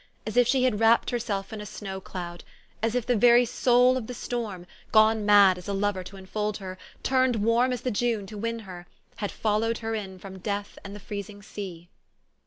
as if she had wrapped herself in a snow cloud ; as if the very soul of the storm, gone mad as a lover to in fold her, turned warm as the June to win her, had followed her in from death and the freezing sea.